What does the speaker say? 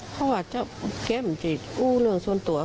เพราะว่าเจ้าเกมจะกู้เรื่องส่วนตัว